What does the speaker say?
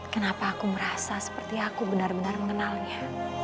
kenapa aku merasa seperti aku benar benar mengenalnya